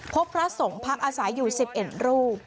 พระสงฆ์พักอาศัยอยู่๑๑รูป